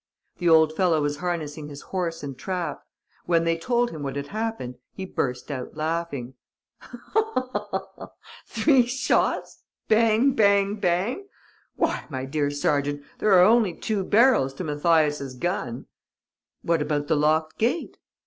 The old fellow was harnessing his horse and trap. When they told him what had happened, he burst out laughing: "Three shots? Bang, bang, bang? Why, my dear sergeant, there are only two barrels to Mathias' gun!" "What about the locked gate?"